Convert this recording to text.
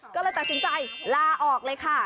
ก็เลยตัดสินใจลาออกเลยค่ะ